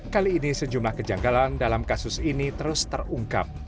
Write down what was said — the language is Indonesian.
kali ini sejumlah kejanggalan dalam kasus ini terus terungkap